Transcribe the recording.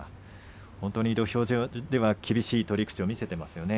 本当に土俵上では厳しい取り口を見せていますよね。